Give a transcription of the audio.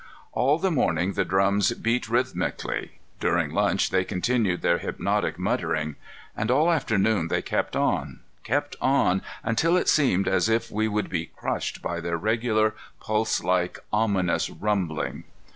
All the morning the drums beat rhythmically. During lunch they continued their hypnotic muttering. And all afternoon they kept on, kept on, until it seemed as if we would be crushed by their regular, pulselike, ominous rumbling.